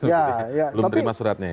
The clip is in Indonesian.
belum terima suratnya ya